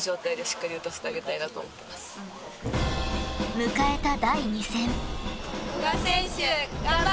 迎えた第２戦。